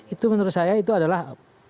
itu menurut saya itu adalah